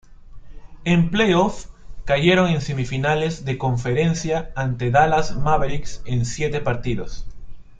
En playoffs, cayeron en Semifinales de Conferencia ante Dallas Mavericks en siete partidos.